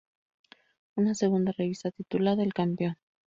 Una segunda revista titulada "El Campeón.